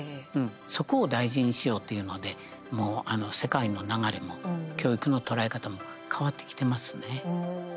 そこを大事にしようというので世界の流れも教育の捉え方も変わってきてますね。